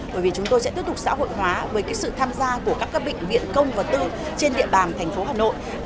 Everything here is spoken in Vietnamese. bởi vì chúng tôi sẽ tiếp tục xã hội hóa với sự tham gia của các bệnh viện công và tư trên địa bàn thành phố hà nội